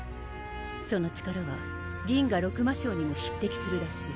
その力は銀河六魔将にも匹敵するらしい。